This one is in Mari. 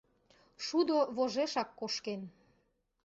— Шудо вожешак кошкен.